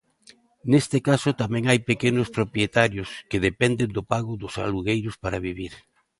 Neste caso tamén hai pequenos propietarios que dependen do pago dos alugueiros para vivir.